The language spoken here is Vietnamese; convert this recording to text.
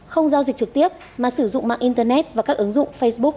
không giao dịch trực tiếp mà sử dụng mạng internet và các ứng dụng facebook